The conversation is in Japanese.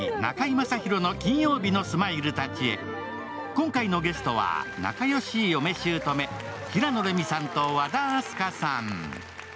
今回のゲストは、仲良し嫁姑、平野レミさんと和田明日香さん。